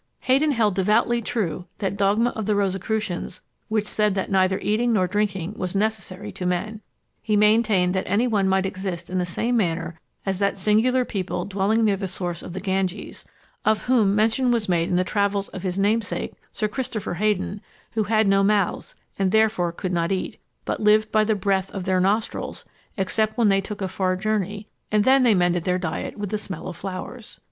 Heydon held devoutly true that dogma of the Rosicrucians which said that neither eating nor drinking was necessary to men. He maintained that any one might exist in the same manner as that singular people dwelling near the source of the Ganges, of whom mention was made in the travels of his namesake, Sir Christopher Heydon, who had no mouths, and therefore could not eat, but lived by the breath of their nostrils; except when they took a far journey, and then they mended their diet with the smell of flowers.